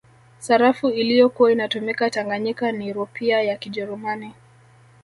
Sarafu iliyokuwa inatumika Tanganyika ni Rupia ya Kijerumani